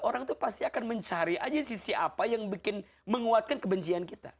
orang itu pasti akan mencari aja sisi apa yang bikin menguatkan kebencian kita